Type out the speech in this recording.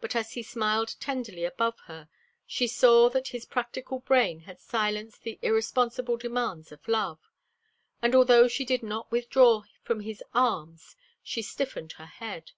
But as he smiled tenderly above her she saw that his practical brain had silenced the irresponsible demands of love, and although she did not withdraw from his arms she stiffened her head.